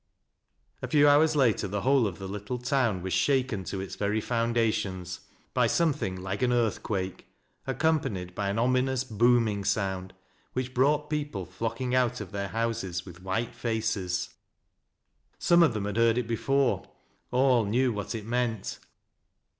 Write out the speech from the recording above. A few hours later the whole of the little town was shaken to its very foundations, by something like an earthquake, accompanied by an ominous, booming sound vs'In'ch brought people flocking out of their houses, witli \i;hite faces. Some of them had heard it before — all knew what it meant.